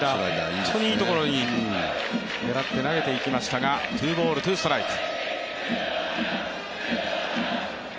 本当にいいところに狙って投げていきましたがツーボール・ツーストライク。